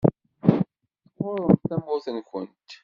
Tɣuṛṛemt tamurt-nkent.